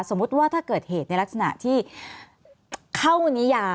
สมมติว่าถ้าเกิดเหตุในลักษณะที่